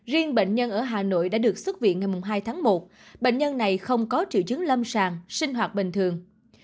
riêng bệnh nhân ở hà nội đã được xuất viện ngày hai tháng một bệnh nhân này không có triệu chứng lâm sàng sinh hoạt bình thường